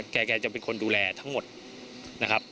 แกจะเป็นคนดูแลทั้งหมดนะครับ